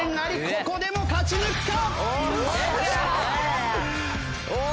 ここでも勝ち抜くか！？